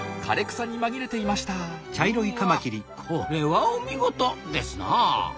これはお見事ですなあ。